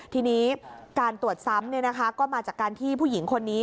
ทีนี้การตรวจซ้ำก็มาจากการที่ผู้หญิงคนนี้